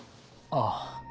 ああ。